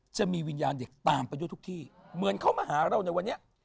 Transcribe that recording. จะมีวิญญาณเด็กตามไปด้วยทุกที่เหมือนเขามาหาเราในวันนี้